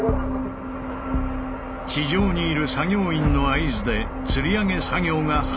地上にいる作業員の合図でつり上げ作業が始まった。